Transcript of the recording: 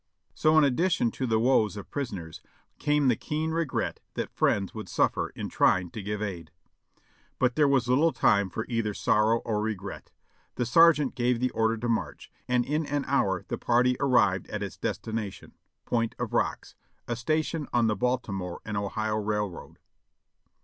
So in addition to the woes of prisoners, came the keen regret that friends would suffer in trying to give aid. But there was little time for either sorrow or regret. The ser geant gave the order to march, and in an hour the party arrived at its destination. Point of Rocks, a station on the Baltimore and Ohio Railroad.